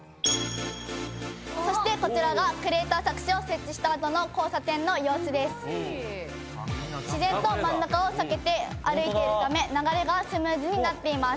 そしてこちらがクレーター錯視を設置したあとの交差点の様子です・すごい自然と真ん中を避けて歩いているためホントだ流れがスムーズになっています